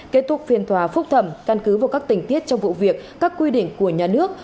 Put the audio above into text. kết thúc phiên tòa phúc thẩm căn cứ vào các tình tiết trong vụ việc các quy định của nhà nước